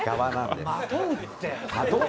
まとうって。